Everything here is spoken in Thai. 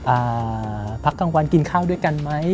อ่าพักกลางวันกินข้าวด้วยกันไหม